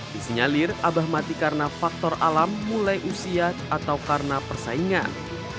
disinyalir abah mati karena faktor alam mulai usia atau karena persaingan